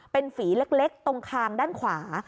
เป็นฝีเล็กตรงคางด้านขวา